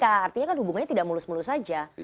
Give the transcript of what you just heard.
artinya kan hubungannya tidak mulus mulus saja